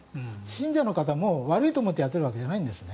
信者の方も悪いと思ってやっているわけじゃないんです。